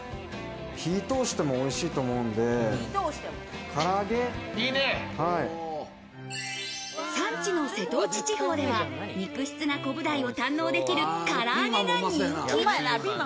火通しても、おいしいと思う産地の瀬戸内地方では、肉質なコブダイを堪能できる、からあげが人気。